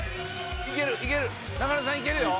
いけるよ。